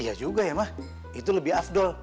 iya juga ya mah itu lebih afdol